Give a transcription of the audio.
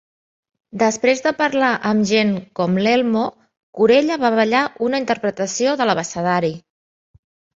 Després de parlar amb gent com l'Elmo, Corella va ballar una interpretació de l'abecedari.